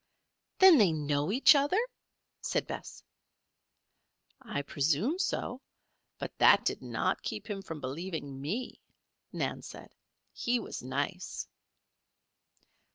"Then they know each other?" said Bess. "I presume so. But that did not keep him from believing me," Nan said. "He was nice."